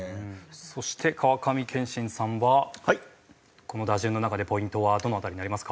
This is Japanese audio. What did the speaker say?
そして川上憲伸さんはこの打順の中でポイントはどの辺りになりますか？